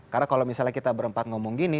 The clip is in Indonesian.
karena kalau misalnya kita berempat ngomong gini